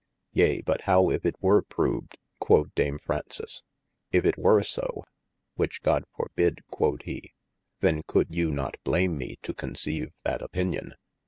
Yea but how if it were proved quod Dame Fr ounces ? If it were so (which God forbid quod he) then coulde you not blame me to conceive that opinion.